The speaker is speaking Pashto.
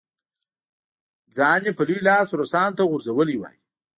ځان یې په لوی لاس روسانو ته غورځولی وای.